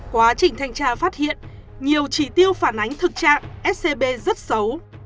quá trình thanh tra phát hiện nhiều trí tiêu phản ánh thực trạng scb rất xấu